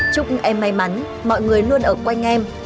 chúc em may mắn mọi người luôn ở quanh em